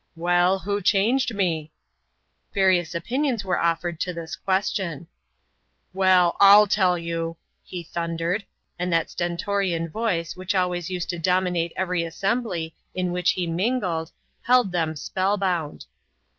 "Well, who changed me?" Various opinions were offered to this question. "Well, I'll tell you!" he thundered, and that stentorian voice which always used to dominate every assembly in which he mingled, held them spellbound!